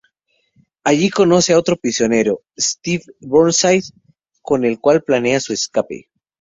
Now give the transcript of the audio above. Allí conoce a otro prisionero, Steve Burnside, con el cual planea su escape.